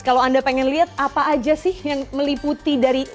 kalau anda pengen lihat apa aja sih yang meliputi dari